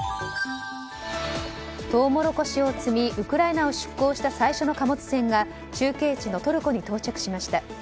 トウモロコシを積みウクライナを出港した最初の貨物船が中継地のトルコに到着しました。